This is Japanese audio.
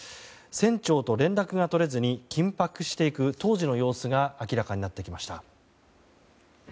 船長と連絡が取れずに緊迫していく当時の様子が明らかになってきました。